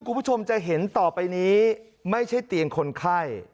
คุณผู้ชมจะเห็นต่อไปนี้ไม่ใช่เตียงคนไข้